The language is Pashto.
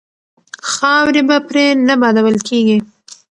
خاورې به پرې نه بادول کیږي.